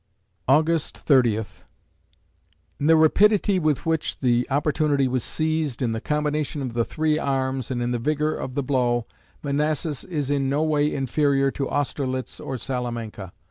August Thirtieth In the rapidity with which the opportunity was seized, in the combination of the three arms, and in the vigor of the blow, Manassas is in no way inferior to Austerlitz or Salamanca.